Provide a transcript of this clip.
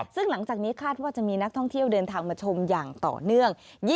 ซึ่งหลังจากนี้คาดว่าจะมีนักท่องเที่ยวเดินทางมาชมอย่างต่อเนื่อง